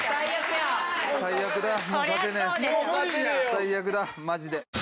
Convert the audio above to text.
最悪だマジで。